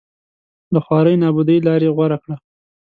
له خوارۍ نابودۍ لاره غوره کوي